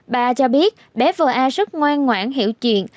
bà cho biết bé vợ a rất ngoan ngoãn hiểu chuyện